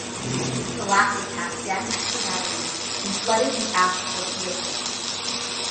The last attack damaged her batteries and flooded the aft torpedo tubes.